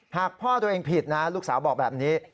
หากพ่อตัวเองผิดนะลูกสาวบอกแบบนี้